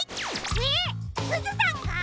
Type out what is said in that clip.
えっすずさんが！？